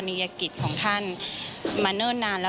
ที่มีโอกาสได้ไปชม